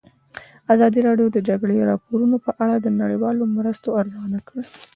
ازادي راډیو د د جګړې راپورونه په اړه د نړیوالو مرستو ارزونه کړې.